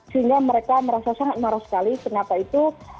sehingga mereka merasa sangat marah sekali kenapa itu